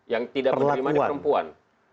yang tidak menerima di perempuan